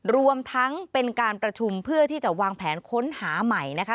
รวมทั้งเป็นการประชุมเพื่อที่จะวางแผนค้นหาใหม่นะคะ